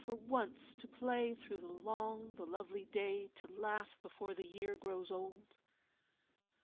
for once to play thro' the long, the lovely day, To laugh before the year grows old!